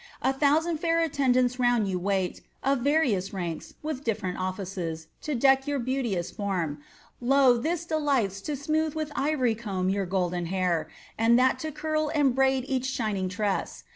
A thousand fair attendants round you wait, Of various ranks, with different offices. To deck jova beauteous form ; lo, this delights To smooth with ivory comb your golden hair. And that to curl and braid each shining tress.